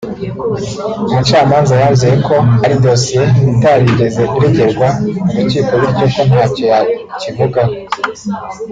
umucamanza yanzuye ko ari dosiye itarigeze iregerwa mu rukiko bityo ko ntacyo yakivugaho